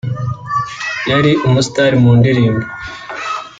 yari umusitari mu ndirimbo